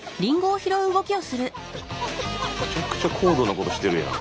めちゃくちゃ高度なことしてるやん。